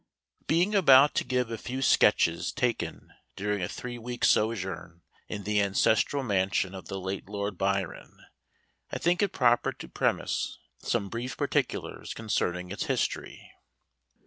Being about to give a few sketches taken during a three weeks' sojourn in the ancestral mansion of the late Lord Byron, I think it proper to premise some brief particulars concerning its history.